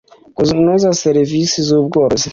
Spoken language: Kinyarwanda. kunoza serivisi z ubworozi